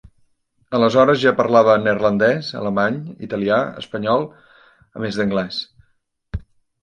Aleshores ja parlava neerlandès, alemany, italià, espanyol, a més d'anglès.